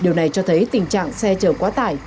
điều này cho thấy tình trạng xe chở quá tải